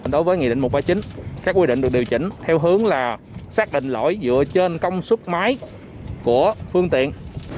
đối với nghị định một trăm ba mươi chín các quy định được điều chỉnh theo hướng là xác định lỗi dựa trên công suất máy của phương tiện